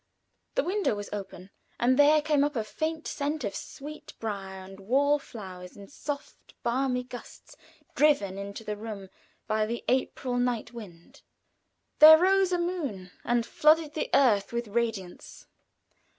The window was open, and there came up a faint scent of sweetbrier and wall flowers in soft, balmy gusts, driven into the room by the April night wind. There rose a moon and flooded the earth with radiance.